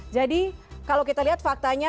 jadi kalau kita lihat faktanya